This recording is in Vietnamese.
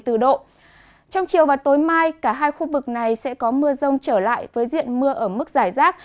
trong chiều và tối mai cả hai khu vực này sẽ có mưa rông trở lại với diện mưa ở mức giải rác